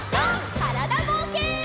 からだぼうけん。